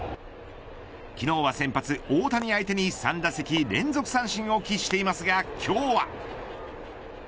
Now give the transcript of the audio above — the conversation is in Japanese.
昨日は先発、大谷相手に３打席連続三振を喫していますが今日は。